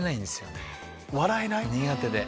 苦手で。